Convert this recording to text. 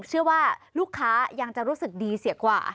เชื่อว่าลูกค้ายังจะรู้สึกดีเสียกว่า